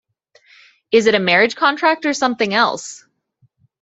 Is it a marriage contract or something else?